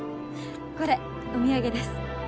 これお土産です。